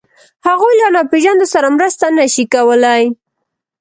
هغوی له ناپېژاندو سره مرسته نهشي کولی.